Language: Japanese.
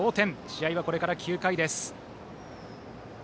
試合はこれから９回です。